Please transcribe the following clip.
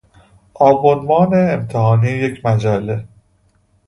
آبونمان امتحانی یک مجله